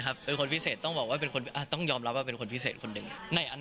มาร้องเพลงให้หนูไง